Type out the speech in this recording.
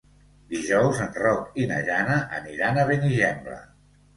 Dijous en Roc i na Jana aniran a Benigembla.